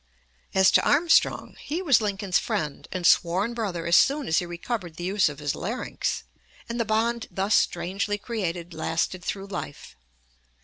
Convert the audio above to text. As to Armstrong, he was Lincoln's friend and sworn brother as soon as he recovered the use of his larynx, and the bond thus strangely created lasted through life.